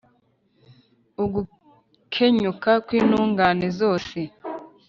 Ugukenyuka kw’intungane zose